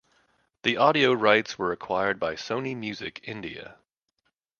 The audio rights were acquired by Sony Music India.